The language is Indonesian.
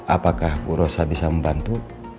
apakah bu rosa bisa membantu